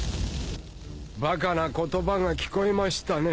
バカな言葉が聞こえましたね